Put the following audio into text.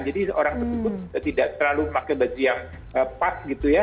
jadi orang tersebut tidak terlalu pakai baju yang pas gitu ya